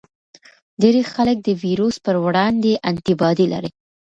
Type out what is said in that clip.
ډیری خلک د ویروس پر وړاندې انټي باډي لري.